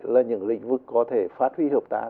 là những lĩnh vực có thể phát huy hợp tác